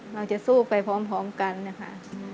เราจะสู้ไปพร้อมกันนะคะ